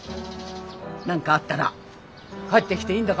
何かあったら帰ってきていいんだからね。